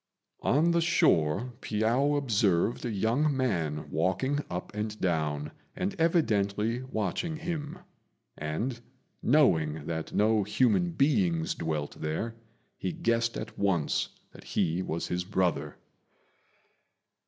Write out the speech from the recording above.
On the shore Piao observed a young man walking up and down and evidently watching him; and, knowing that no human beings dwelt there, he guessed at once that he was his brother.